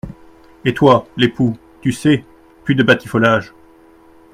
Et toi, l’époux, tu sais, plus de batifolage !